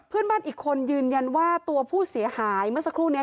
เพื่อนบ้านอีกคนยืนยันว่าตัวผู้เสียหายเมื่อสักครู่นี้